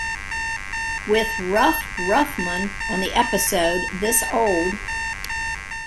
With Ruff Ruffman" on the episode "This Old...